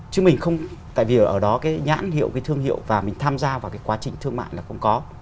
chứ mình không tại vì ở đó cái nhãn hiệu cái thương hiệu và mình tham gia vào cái quá trình thương mại là cũng có